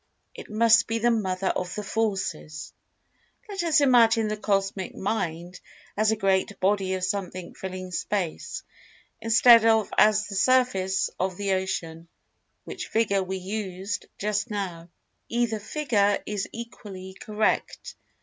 It must be the Mother of the Forces. Let us imagine the Cosmic Mind as a great body of Something filling Space, instead of as the surface of the Ocean, which figure we used just now—either figure is equally correct.